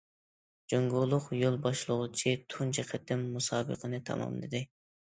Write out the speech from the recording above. جۇڭگولۇق يول باشلىغۇچى تۇنجى قېتىم مۇسابىقىنى تاماملىدى.